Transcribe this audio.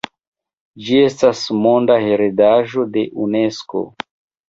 Ĝi estas monda heredaĵo de Unesko.